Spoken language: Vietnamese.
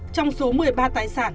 trong số một mươi ba tài sản